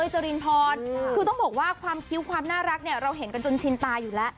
ชุดผิวความน่ารักเนี่ยเราเห็นกันจนชินตายู่แล้ว